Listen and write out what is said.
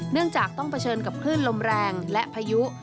เนื่องจากต้องเผชิญกับคลื่นลมแรงและพายุ